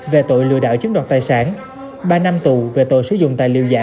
về tội lừa đảo chiếm đoạt tài sản ba năm tù về tội sử dụng tài liệu giả